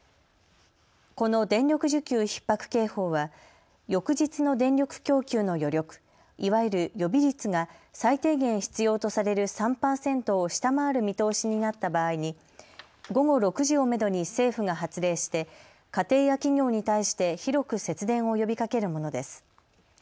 この電力需給ひっ迫警報は翌日の電力供給の余力、いわゆる予備率が最低限必要とされる３％を下回る見通しになった場合に午後６時をめどに政府が発令して家庭や企業に対して広く節電を呼びかけるものです。